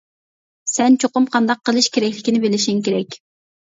سەن چوقۇم قانداق قىلىش كېرەكلىكىنى بىلىشىڭ كېرەك.